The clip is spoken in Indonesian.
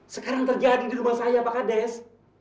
sekarang terjadi di rumah saya pak kades